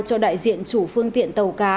cho đại diện chủ phương tiện tàu cá